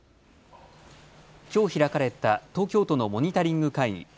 きょう開かれた東京都のモニタリング会議。